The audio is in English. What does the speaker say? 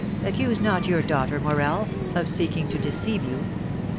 Accuse not your daughter, Morel, of seeking to deceive you.